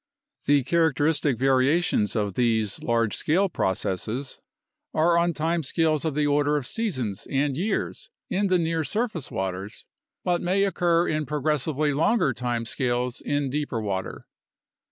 The characteristic variations of these large scale processes are on time scales of the order of seasons and years in the near surface waters but may occur in progressively longer time scales in deeper water.